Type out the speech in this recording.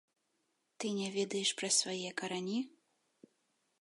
Ты не ведаеш пра свае карані?